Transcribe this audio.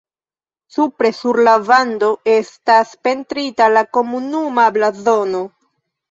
Supre sur la vando estas pentrita la komunuma blazono.